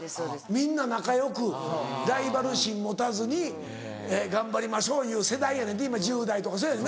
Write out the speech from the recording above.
みんな仲よくライバル心持たずに頑張りましょういう世代やねんて今１０代とかそやんな？